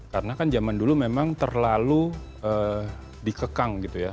karena kan zaman dulu memang terlalu dikekang gitu ya